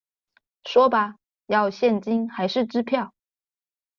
說吧，要現金還是支票？